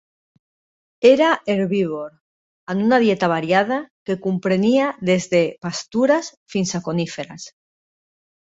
Era herbívor, amb una dieta variada que comprenia des de pastures fins a coníferes.